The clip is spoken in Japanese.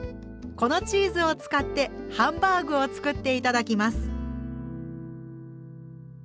このチーズを使ってハンバーグを作って頂きます。